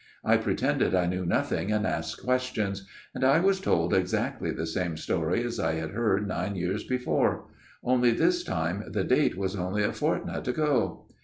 I pretended I knew nothing and asked questions ; and I was told exactly the same story as I had heard nine years before ; only this time the date was only a fortnight ago.